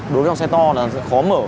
đối với dòng xe to là khó mở